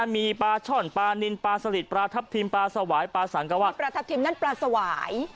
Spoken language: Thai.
มีปลาช่อนปลานินปลาสลิดปลาทับทิมปลาสวายปลาสังกะว่าปลาทับทิมนั่นปลาสวาย